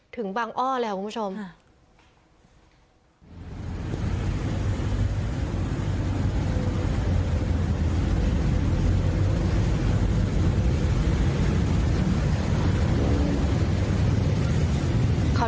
ถึงบางอ้อแล้วคุณผู้ชมฮ่า